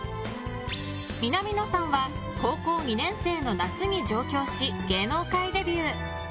南野さんは高校２年生の夏に上京し芸能界デビュー。